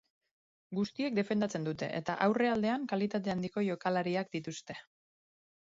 Guztiek defendatzen dute, eta aurrealdean kalitate handiko jokalariak dituzte.